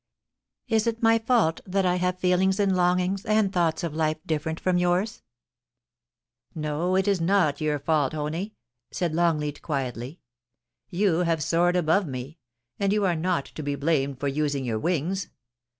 Is it my fault that I have feelings and longings and thoughts of life different from yours ?No, it is not your fault, Honie,' said Longleat, quietly. * Vou have soared above me, and you are not to be blamed for using your wings.